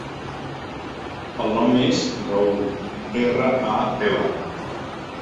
El nom és Raül: erra, a, ela.